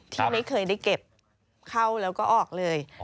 ที่ไม่เคยได้เก็บเข้าแล้วก็ออกเลย